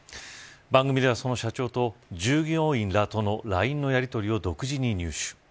番組ではその社長と従業員らとのＬＩＮＥのやりとりを独自に入手。